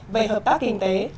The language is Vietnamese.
về hợp tác kinh tế